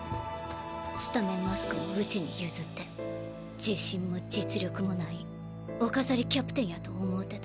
スタメンマスクもうちに譲って自信も実力もないお飾りキャプテンやと思うてた。